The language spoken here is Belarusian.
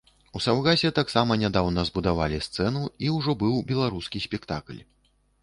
У саўгасе таксама нядаўна збудавалі сцэну і ўжо быў беларускі спектакль.